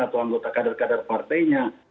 atau anggota kader kader partainya